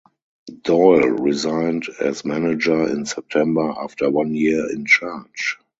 Doyle resigned as manager in September after one year in charge.